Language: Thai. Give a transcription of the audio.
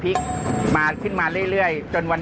ปู่พญานาคี่อยู่ในกล่อง